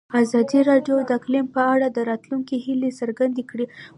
ازادي راډیو د اقلیم په اړه د راتلونکي هیلې څرګندې کړې.